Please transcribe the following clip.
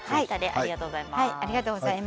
ありがとうございます。